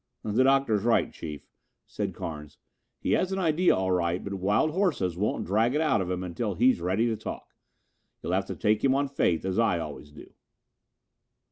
"The Doctor is right, Chief," said Carnes. "He has an idea all right, but wild horses won't drag it out of him until he's ready to talk. You'll have to take him on faith, as I always do."